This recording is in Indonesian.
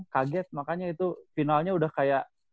kaget makanya itu finalnya udah kayak